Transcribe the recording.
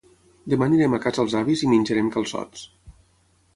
Demà anirem a casa els avis i menjarem calçots.